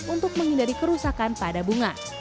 untuk menghindari kerusakan pada bunga